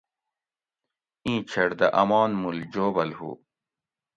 ایں چھیٹ دہ آمان مول جوبل ہو